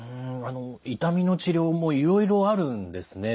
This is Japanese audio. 痛みの治療もいろいろあるんですね。